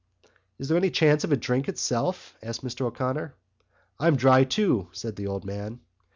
"Is there any chance of a drink itself?" asked Mr O'Connor. "I'm dry too," said the old man.